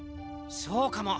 そうかも。